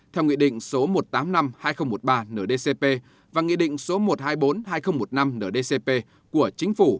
theo nghị định số một trăm tám mươi năm hai nghìn một mươi ba ndcp và nghị định số một trăm hai mươi bốn hai nghìn một mươi năm ndcp của chính phủ